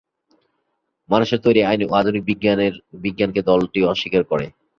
মানুষের তৈরি আইন ও আধুনিক বিজ্ঞানকে দলটি অস্বীকার করে।